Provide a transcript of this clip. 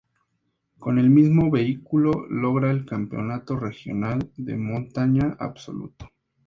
Con el mismo vehículo, logra el campeonato regional de montaña absoluto.